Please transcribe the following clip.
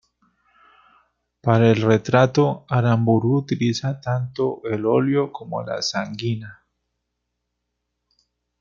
Para el retrato, Aramburu utiliza tanto el óleo como la sanguina.